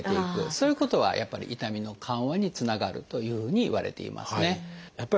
そういうことはやっぱり痛みの緩和につながるというふうにいわれていますね。